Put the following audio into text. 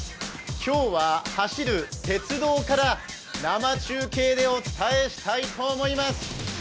今日は走る鉄道から生中継でお伝えしたいと思います。